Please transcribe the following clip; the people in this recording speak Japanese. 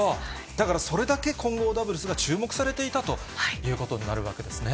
だからそれだけ混合ダブルスが注目されていたということになるわけですね。